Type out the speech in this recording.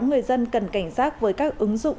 người dân cần cảnh giác với các ứng dụng